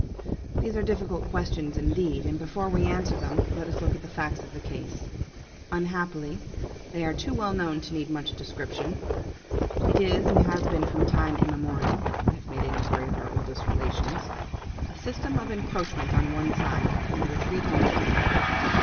"These are difficult questions indeed, and before we answer them, let us look at the facts of the case. Unhappily they are too well known to need much description. It is, and has been from time immemorial (I have made inquiry of our oldest relations), a system of encroachment on one side, and retreat on the other.